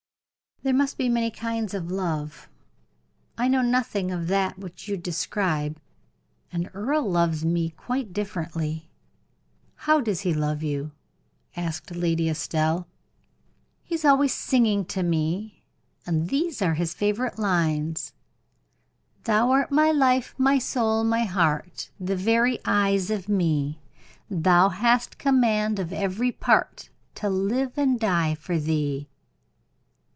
"There must be many kinds of love. I know nothing of that which you describe, and Earle loves me quite differently." "How does he love you?" asked Lady Estelle. "He is always singing to me, and these are his favorite lines: "'Thou art my life, my soul, my heart, The very eyes of me; Thou hast command of every part, To live and die for thee.'